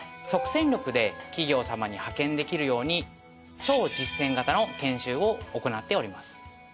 即戦力で企業様に派遣できるように超実践型の研修を行っております。